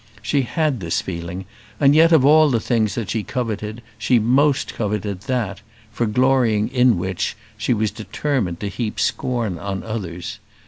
She had this feeling; and yet, of all the things that she coveted, she most coveted that, for glorying in which, she was determined to heap scorn on others.